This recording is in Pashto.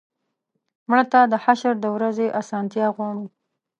مړه ته د حشر د ورځې آسانتیا غواړو